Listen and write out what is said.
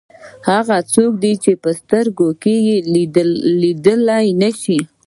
هغه څوک دی چې په سترګو څه لیدلی نه شي.